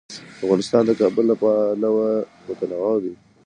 افغانستان د کابل له پلوه متنوع دی.